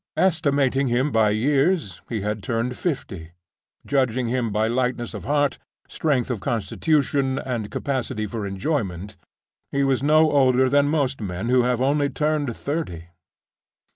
Estimating him by years, he had turned fifty. Judging him by lightness of heart, strength of constitution, and capacity for enjoyment, he was no older than most men who have only turned thirty.